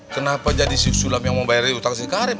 kenapa jadi si sulam yang mau bayar hutang si karim